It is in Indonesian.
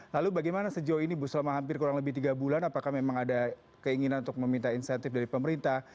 lalu bagaimana sejauh ini bu selama hampir kurang lebih tiga bulan apakah memang ada keinginan untuk meminta insentif dari pemerintah